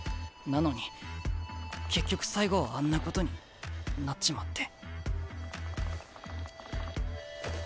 なのに結局最後はあんなことになっちまって。